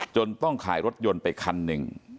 ต้องขายรถยนต์ไปคันหนึ่ง